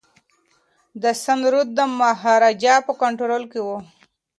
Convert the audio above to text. د سند رود د مهاراجا په کنټرول کي و.